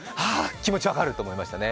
気持ち分かる！って思いましたね。